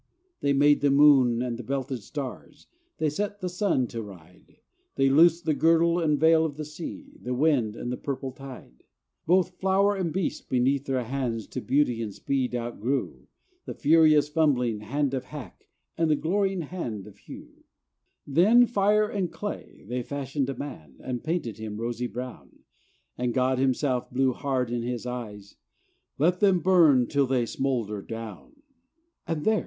They made the moon and the belted stars, They set the sun to ride; They loosed the girdle and veil of the sea, The wind and the purple tide. Both flower and beast beneath their hands To beauty and speed outgrew, The furious fumbling hand of Hack, And the glorying hand of Hew. Then, fire and clay, they fashioned a man, And painted him rosy brown; And God himself blew hard in his eyes: "Let them burn till they smolder down!" And "There!"